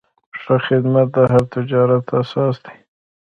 ښه خدمت د هر تجارت اساس دی.